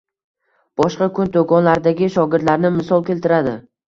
Boshqa kun do'konlardagi shogirdlarni misol keltiradi.